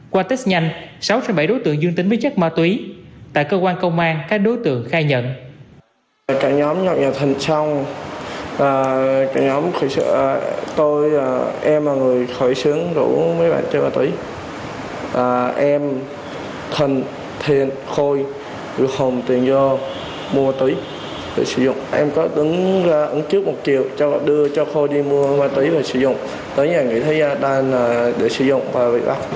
qua test nhanh sáu trong bảy đối tượng dương tính với chất ma túy tại cơ quan công an các đối tượng khai nhận